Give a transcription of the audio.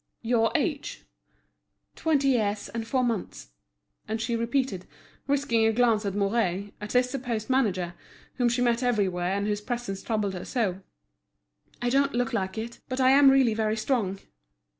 "Your age?" "Twenty years and four months." And she repeated, risking a glance at Mouret, at this supposed manager, whom she met everywhere and whose presence troubled her so: "I don't look like it, but I am really very strong."